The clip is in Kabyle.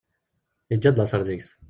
Yeǧǧa-d later deg-s.